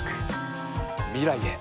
未来へ。